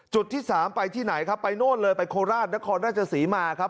ที่สามไปที่ไหนครับไปโน่นเลยไปโคราชนครราชศรีมาครับ